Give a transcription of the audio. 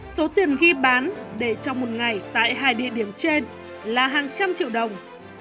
số tiền ghi bán để trong một ngày tại hai địa điểm trên là hàng trăm triệu đồng